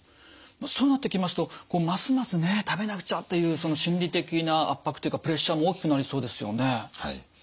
そうなってきますとますますね食べなくちゃっていうその心理的な圧迫というかプレッシャーも大きくなりそうですよね。